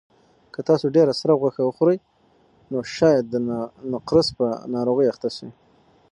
که تاسو ډېره سره غوښه وخورئ نو شاید د نقرس په ناروغۍ اخته شئ.